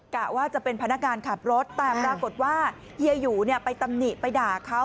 กะว่าจะเป็นพนักงานขับรถแต่ปรากฏว่าเฮียหยูเนี่ยไปตำหนิไปด่าเขา